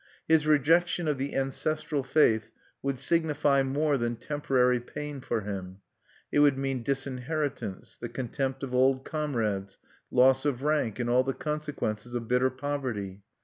His rejection of the ancestral faith would signify more than temporary pain for him: it would mean disinheritance, the contempt of old comrades, loss of rank, and all the consequences of bitter poverty.